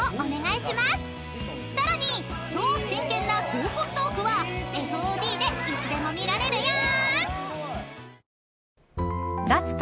［さらに超真剣な合コントークはＦＯＤでいつでも見られるよ］